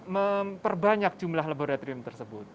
memperbanyak jumlah laboratorium tersebut